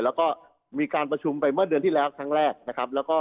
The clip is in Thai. แล้วก็มีการประชุมไปเมื่อเดือนที่แล้วครั้งแรกนะครับแล้วก็